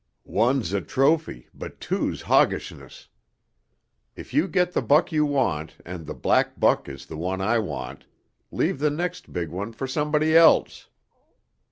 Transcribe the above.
One's a trophy but two's hoggishness. If you get the buck you want, and the black buck is the one I want, leave the next big one for somebody else."